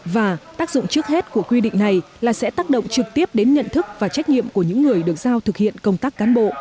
và tác dụng trước hết của quy định này là sẽ tác động trực tiếp đến nhận thức và trách nhiệm của những người được giao thực hiện công tác cán bộ